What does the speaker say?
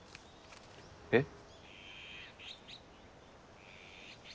えっ？